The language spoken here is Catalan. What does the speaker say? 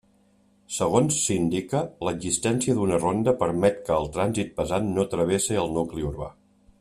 Segons s'indica, l'existència d'una ronda permet que el trànsit pesant no travesse el nucli urbà.